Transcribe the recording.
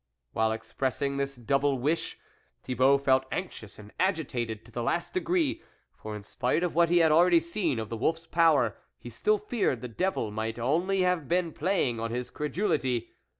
While expressing this double wish, Thibault felt anxious and agitated to the last degree ; for in spite of what he had already seen of the wolfs power, he still feared the Devil might only have been playing on his credulity.